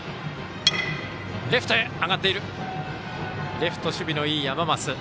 レフト、守備のいい山増。